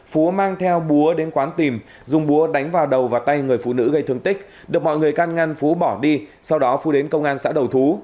phú mang theo búa đến quán tìm dùng búa đánh vào đầu và tay người phụ nữ gây thương tích được mọi người can ngăn phú bỏ đi sau đó phú đến công an xã đầu thú